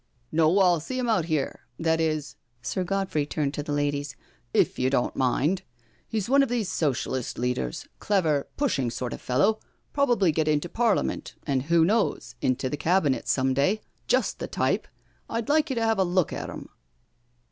•• No, ril see him out here— that is "—Sir Godfrey turned to the ladies —'* if you don't mind. He's one of these Socialist leaders, clever, pushing sort of fellow — probably get into Parliament, and who knows, into the Cabinet some day— just the type I I'd like you to have a look at him."